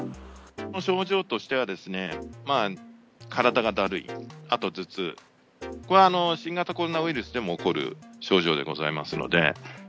症状としては、体がだるい、あと頭痛、これは新型コロナウイルスでも起こる症状でございますので。